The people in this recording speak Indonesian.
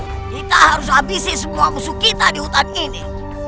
kita harus habisi semua musuh kita di hutan ini